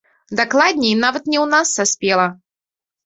Дакладней, нават не ў нас саспела.